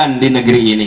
dan orang yang di sini